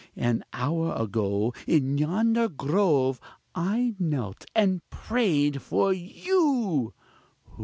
an hour ago, in yonder grove I knelt and prayed for you!